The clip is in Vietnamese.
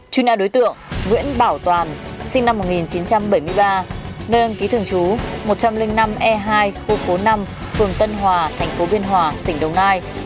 chuyên án đối tượng nguyễn bảo toàn sinh năm một nghìn chín trăm bảy mươi ba nơi đăng ký thường chú một trăm linh năm e hai khu phố năm phường tân hòa thành phố biên hòa tỉnh đồng nai